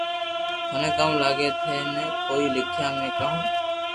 ٿني ڪاو لاگي ٿي بي ڪوئي لکيا ھي ڪاو